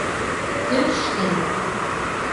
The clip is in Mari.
— Тӧрштен!